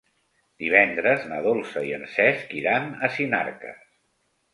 Divendres na Dolça i en Cesc iran a Sinarques.